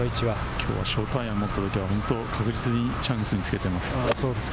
きょうはショートアイアンを持ったときは確実にチャンスにつけています。